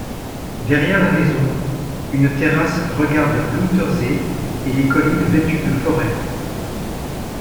Derrière la maison, une terrasse regarde l'Untersee et les collines vêtues de forêts.